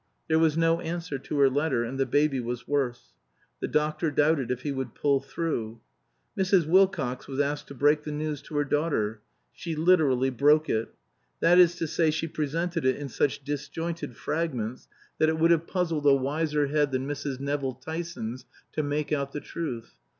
There was no answer to her letter; and the baby was worse. The doctor doubted if he would pull through. Mrs. Wilcox was asked to break the news to her daughter. She literally broke it. That is to say, she presented it in such disjointed fragments that it would have puzzled a wiser head than Mrs. Nevill Tyson's to make out the truth.